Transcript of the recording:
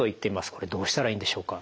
これどうしたらいいんでしょうか。